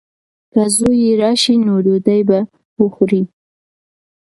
که زوی یې راشي نو ډوډۍ به وخوري.